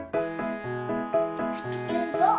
８５。